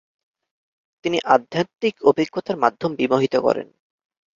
তিনি আধ্যাত্বিক অভিজ্ঞতার মাধ্যম বিমেোহিত করেন।